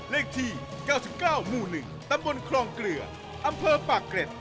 เลขที่๙๙หมู่๑ตำบลคลองเกลืออำเภอปากเกร็ด